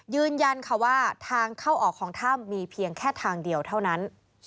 ยืนยันค่ะว่าทางเข้าออกของถ้ำมีเพียงแค่ทางเดียวเท่านั้น